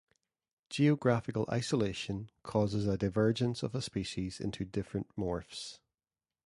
Geographical isolation causes a divergence of a species into different morphs.